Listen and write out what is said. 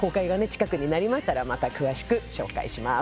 近くになりましたらまた詳しく紹介します